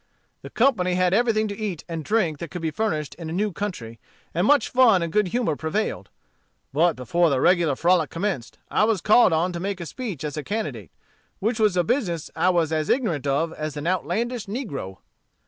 "The company had everything to eat and drink that could be furnished in a new country; and much fun and good humor prevailed. But before the regular frolic commenced, I was called on to make a speech as a candidate, which was a business I was as ignorant of as an outlandish negro.